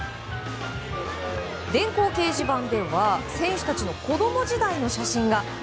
電光掲示板では選手たちの子供時代の写真が。